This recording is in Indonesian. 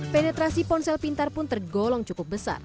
penetrasi ponsel pintar pun tergolong cukup besar